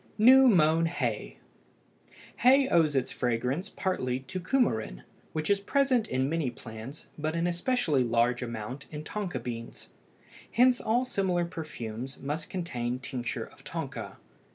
NEW MOWN HAY. Hay owes its fragrance partly to cumarin, which is present in many plants, but in especially large amount in tonka beans. Hence all similar perfumes must contain tincture of tonka.